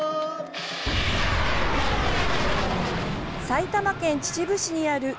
埼玉県秩父市にある椋